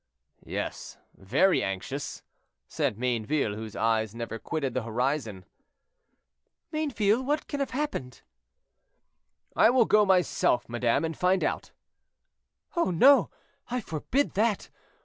"Yes, very anxious," said Mayneville, whose eyes never quitted the horizon. "Mayneville, what can have happened?" "I will go myself, madame, and find out." "Oh, no! I forbid that.